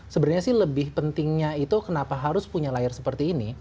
sebenarnya lebih penting kenapa harus punya layar seperti ini